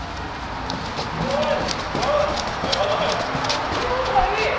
こっちの方がいい！